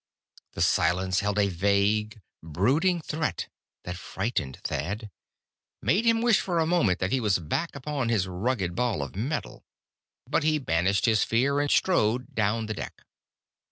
The silence held a vague, brooding threat that frightened Thad, made him wish for a moment that he was back upon his rugged ball of metal. But he banished his fear, and strode down the deck.